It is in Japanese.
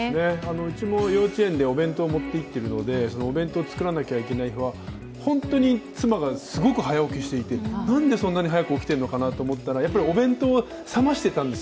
うちも幼稚園でお弁当持っていっているので、お弁当を作らなきゃいけない日は本当に妻がすごく早起きしていて、なんでそんなに早く起きないといけないのかなと思ったらやっぱりお弁当を冷ましてたんです。